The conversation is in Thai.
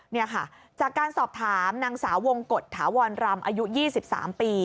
นี่ค่ะจากการสอบถามนางสาววงกฎถาวรรำอายุ๒๓ปี